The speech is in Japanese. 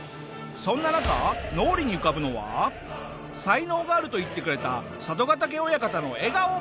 そんな中脳裏に浮かぶのは「才能がある」と言ってくれた佐渡ケ嶽親方の笑顔。